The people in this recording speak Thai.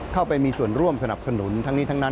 เข้าไปมีส่วนร่วมสนับสนุนทั้งนี้ทั้งนั้น